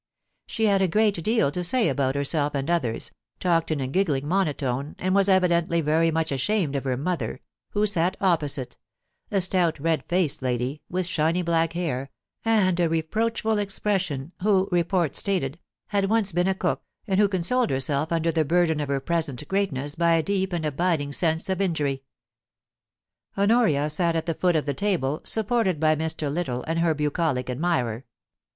She had a great deal to say about herself and others, talked in a giggling monotone, and was evidently very much ashamed of her mother, who sat opposite — a stout, red faced lady, with shiny black hair, and a reproachful expression, who, report stated, had once been a cook, and who consoled herself under the burden of her present greatness by a deep and abiding sense of injury. Honoria sat at the foot of the table, supported by Mr. Little and her bucolic admirer.